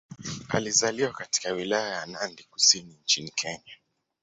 Alizaliwa katika Wilaya ya Nandi Kusini nchini Kenya.